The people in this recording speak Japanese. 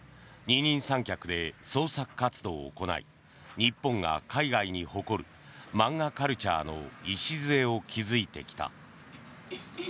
二人三脚で創作活動を行い日本が海外に誇る漫画カルチャーの礎を築いてきた。